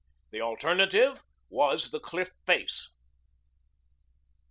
The alternative was the cliff face.